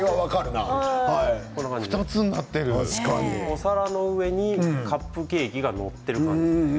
お皿の上にカップケーキが載っている。